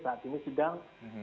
saat ini sedang